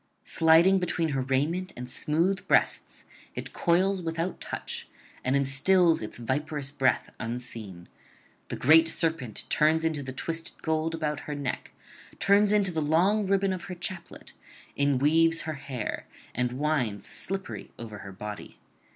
Sliding between her raiment and smooth breasts, it coils without touch, and instils its viperous breath unseen; the great serpent turns into the twisted gold about her neck, turns into the long ribbon of her chaplet, inweaves her hair, and winds slippery over her body.